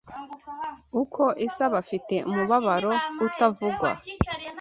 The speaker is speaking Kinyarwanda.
uko isa bafite umubabaro utavugwa,